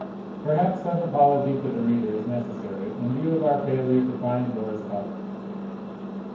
Perhaps some apology to the reader is necessary in view of our failure to find Laura's father.